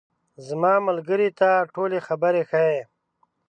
زما ملګري ته ټولې خبرې ښیې.